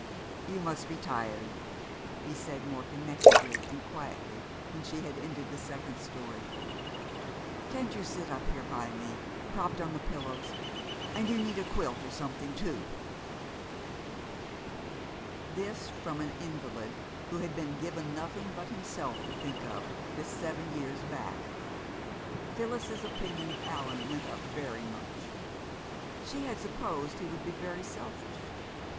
"You must be tired," he said more connectedly and quietly when she had ended the second story. "Can't you sit up here by me, propped on the pillows? And you need a quilt or something, too." This from an invalid who had been given nothing but himself to think of this seven years back! Phyllis's opinion of Allan went up very much. She had supposed he would be very selfish.